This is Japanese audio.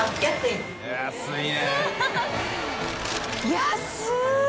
安い！